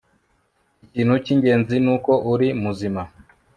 Ikintu cyingenzi nuko uri muzima